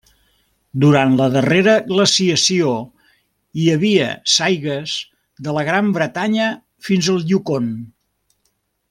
Durant la darrera glaciació hi havia saigues de la Gran Bretanya fins al Yukon.